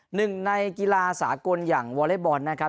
หนึ่งในกีฬาสากลอย่างวอเล็กบอลนะครับ